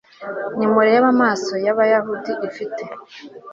ntimureba amaso y'abayahudi? ifite